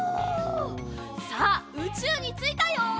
さあうちゅうについたよ。